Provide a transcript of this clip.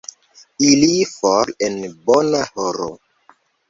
Iri for en bona horo.